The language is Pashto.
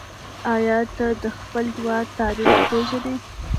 آیا ته د خپل هېواد تاریخ پېژنې؟